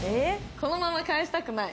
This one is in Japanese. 「このまま帰したくない」。